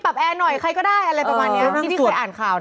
แอร์หน่อยใครก็ได้อะไรประมาณนี้ที่ที่เคยอ่านข่าวนะ